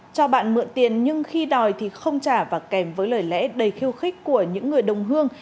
cho bạn mượn tiền nhưng khi đòi thì không trả và kèm với lời lẽ đầy khiêu khích của những người đồng hương